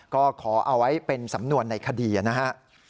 ก็ขอเอาไว้เป็นสำนวนในคดีนะครับ